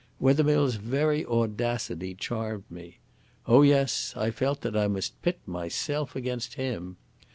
Wethermill's very audacity charmed me. Oh yes, I felt that I must pit myself against him.